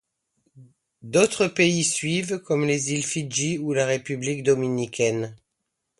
D'autres pays suivent, comme les îles Fidji ou la République dominicaine.